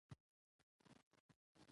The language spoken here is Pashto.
د خلکو ستونزې باید واورېدل شي.